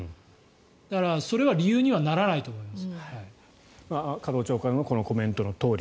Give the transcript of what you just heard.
だからそれは理由にはならないと思います。